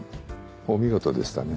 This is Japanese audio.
お見事でしたね。